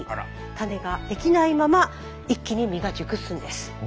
種が出来ないまま一気に実が熟すんです。